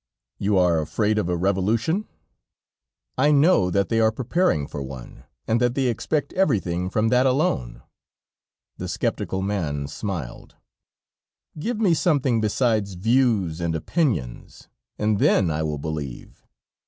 "You are afraid of a revolution?" "I know that they are preparing for one, and that they expect everything from that alone." The skeptical man smiled. "Give me something besides views and opinions, and then I will believe..."